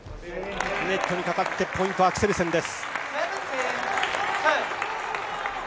ネットにかかって、ポイントはアクセルセンです。